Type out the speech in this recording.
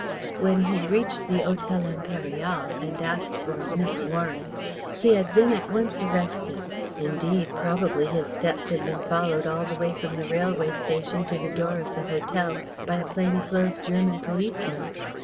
When he reached the Hotel Impérial and asked for "Miss Warren," he had been at once arrested. Indeed probably his steps had been followed all the way from the railway station to the door of the hotel by a plain clothes German policeman.